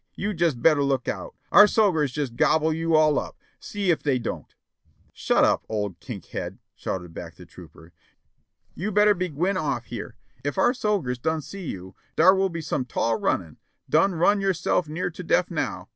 You jes' better look out, our sogers jes' gobble you all up; see ef de' don't!" "Shut up, old kink head," shouted back the trooper. "You better be gwine off here. Ef our sogers done see you dar will be some tall runnin' ; dun run yourself near to def now.